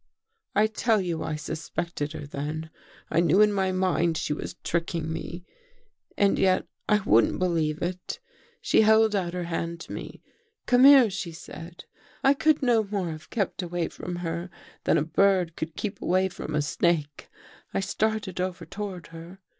" I tell you I suspected her then. I knew in my mind she was tricking me and yet I wouldn't be lieve it. " She held out her hand to me. ' Come here,' she said. " I could no more have kept away from her than a bird could keep away from a snake. I started over toward her.